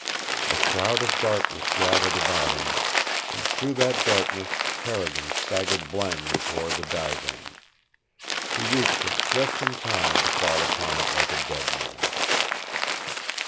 A shroud of darkness gathered about him, and through that darkness Carrigan staggered blindly toward the divan. He reached it just in time to fall upon it like a dead man.